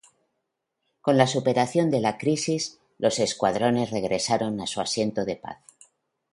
Con la superación de la crisis, los escuadrones regresaron a su asiento de paz.